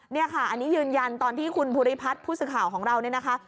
นี่ค่ะอันนี้ยืนยันตอนที่คุณภูริพัฒน์ผู้สื่อข่าวของเราเนี่ยนะคะ